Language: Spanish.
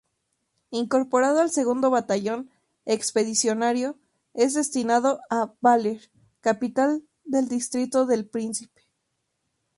Incorporado al Segundo Batallón Expedicionario, es destinado a Baler, capital del Distrito El Príncipe.